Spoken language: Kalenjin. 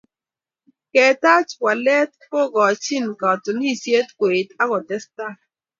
ketaach waleet kokochinin katunisieet koeet ak kotestaai